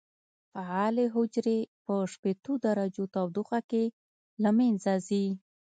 فعالې حجرې په شپېتو درجو تودوخه کې له منځه ځي.